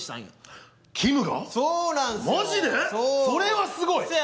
それはすごい。